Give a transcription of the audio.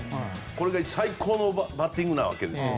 これが最高のバッティングなわけですよ。